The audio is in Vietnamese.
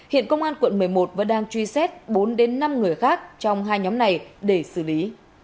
hiện công an quận một mươi một vẫn đang truy xét bốn đến năm người khác trong hai nhóm này để xử lý